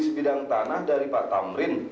sebidang tanah dari pak tamrin